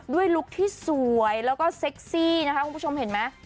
ลุคที่สวยแล้วก็เซ็กซี่นะคะคุณผู้ชมเห็นไหม